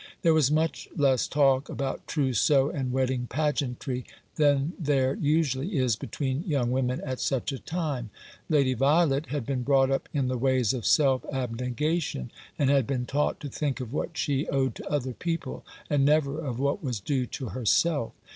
There was much less talk about trousseau and wedding pageantry than there usually is between young women at such a time. Lady Violet had been brought up in the ways of self abnegation, and had been taught to think of what she owed to other people, and never of what was due to herself.